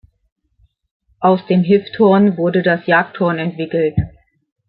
Aus dem Hifthorn wurde das Jagdhorn entwickelt.